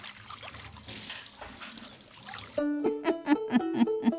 フフフフフ。